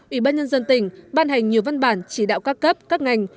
ủy ban nhân dân tỉnh ban hành nhiều văn bản chỉ đạo các cấp các ngành